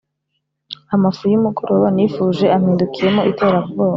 amafu y’umugoroba nifuje, ampindukiyemo iterabwoba.